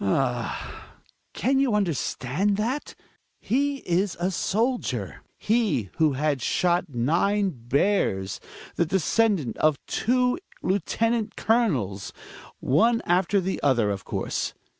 Ah ! Can you understand that? He a soldier; he who had shot nine bears, the descendant of two lieutenant colonels — one after the other, of course.